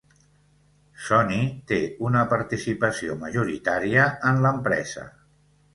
Sony té una participació majoritària en l'empresa.